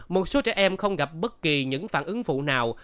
một số trẻ em không gặp bất kỳ những phản ứng phụ nào